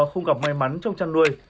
không gặp may mắn trong chăn nuôi